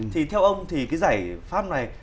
thì theo ông thì cái giải pháp này